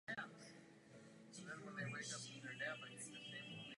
Otázka kandidátů je velmi důležitá.